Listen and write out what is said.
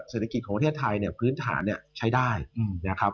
เศรษฐกิจของประเทศไทยเนี่ยพื้นฐานเนี่ยใช้ได้นะครับ